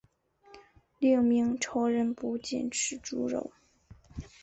另明朝人不禁吃猪肉。